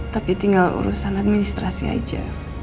tapi tinggal urusan administrasi aja